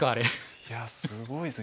いやすごいですね。